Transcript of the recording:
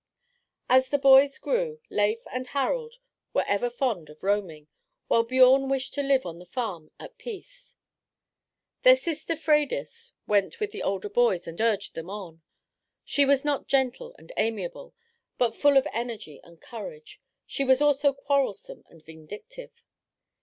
As the boys grew, Leif and Harald were ever fond of roaming, while Biorn wished to live on the farm at peace. Their sister Freydis went with the older boys and urged them on. She was not gentle and amiable, but full of energy and courage: she was also quarrelsome and vindictive.